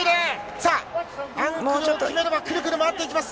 さあ、アンクルを決めれば、くるくる回っていきます。